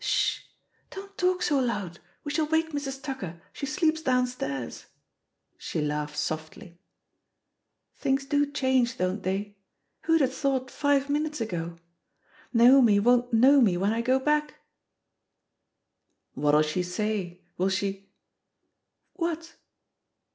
"Sh! don't talk so loud, we shall wake Mrs. Tucker; she sleeps downstairs." She laughed softly. "Things do change, don't they — ^who'd have thought five minutes ago? Naomi won't know me when I go back 1" "What'U she say? WiU she " "What?"